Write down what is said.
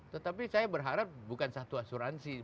tetapi saya berharap bukan satu asuransi